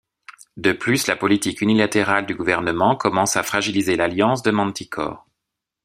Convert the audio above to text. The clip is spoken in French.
De plus la politique unilatérale du gouvernement commence à fragiliser l'Alliance de Manticore.